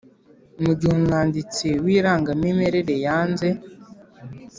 Mu gihe umwanditsi w irangamimerere yanze